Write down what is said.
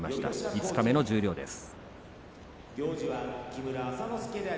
五日目の十両です。